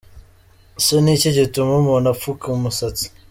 Ese ni iki gituma umuntu apfuka umusatsi?.